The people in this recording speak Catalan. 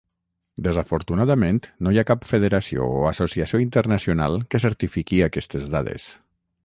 Desafortunadament no hi ha cap federació o associació internacional que certifiqui aquestes dades.